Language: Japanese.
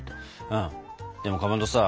うんでもかまどさ